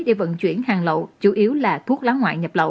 để vận chuyển hàng lậu chủ yếu là thuốc lá ngoại nhập lậu